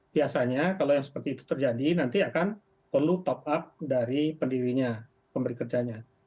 biasanya kalau yang seperti itu terjadi nanti akan perlu top up dari pendirinya pemberi kerjanya